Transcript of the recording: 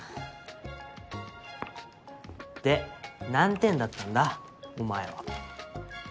で何点だったんだ？お前は。